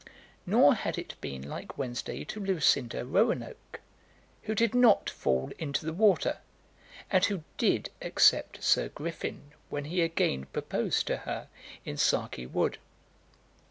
Nor had it been like Wednesday to Lucinda Roanoke, who did not fall into the water, and who did accept Sir Griffin when he again proposed to her in Sarkie wood.